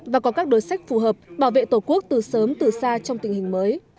và có các đối sách phù hợp bảo vệ tổ quốc từ sớm từ xa trong tình hình mới